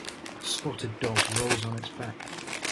The spotted dog rolls on its back.